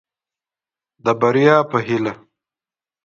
د بريا په هيله.